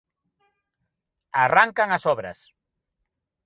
Arrancan as obras.